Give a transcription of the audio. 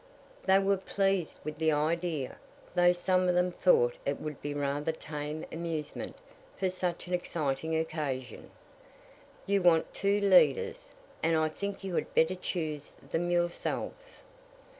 They were pleased with the idea, though some of them thought it would be rather tame amusement for such an exciting occasion. "You want two leaders, and I think you had better choose them yourselves.